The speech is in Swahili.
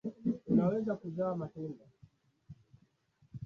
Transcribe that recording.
Baada ya Kongamano la shirikisho la mpira wa miguu duniani la mwaka elfu mbili